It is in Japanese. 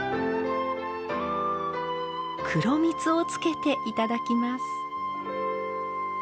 黒蜜をつけていただきます。